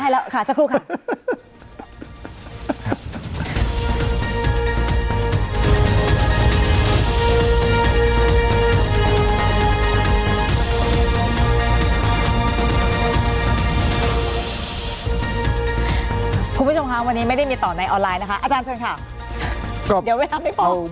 ออนไลน์นะคะอาจารย์เชิญค่ะเดี๋ยวเวลาให้พบ